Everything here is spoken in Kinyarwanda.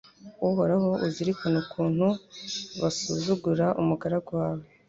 Uhoraho uzirikane ukuntu basuzugura umugaragu wawe